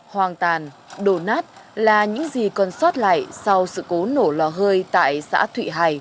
hoàng tàn đổ nát là những gì còn sót lại sau sự cố nổ lò hơi tại xã thụy hải